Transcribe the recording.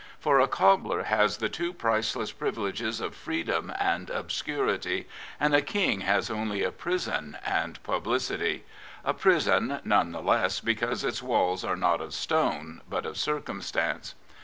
For a cobbler has the two priceless privileges of freedom and obscurity, and a King has only a prison and publicity — a prison, none the less, because its walls are not of stone, but of circumstance.